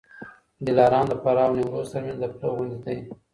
دلارام د فراه او نیمروز ترمنځ د پله غوندي دی.